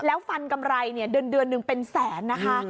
แล้วฟันกำไรเดือนหนึ่งเป็นแสนนะคะ